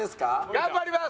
頑張ります。